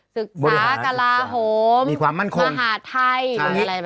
ศึกษากระลาฮมมมหาทัยอะไรแบบนี้